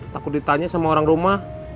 takut ditanya sama orang rumah